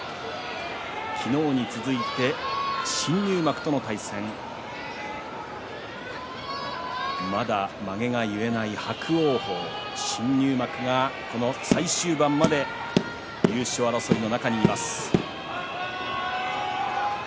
昨日に続いて新入幕との対戦まだまげが結えない伯桜鵬新入幕、最終盤まで優勝争いの中にいます。